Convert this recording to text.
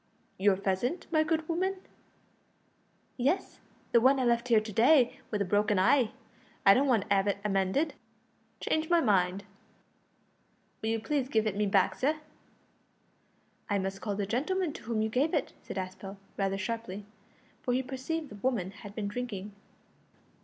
"Your pheasant, my good woman?" "Yes, the one I left here to day wi' the broken heye. I don't want to 'ave it mended; changed my mind. Will you please give it me back, sir?" "I must call the gentleman to whom you gave it," said Aspel, rather sharply, for he perceived the woman had been drinking.